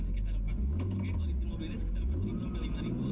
gas atau troto lalu kemudian handbrake itu benar benar harus tepatan ya ini harus diatur